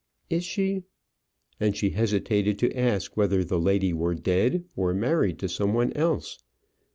"Is she ?" And she hesitated to ask whether the lady were dead, or married to some one else.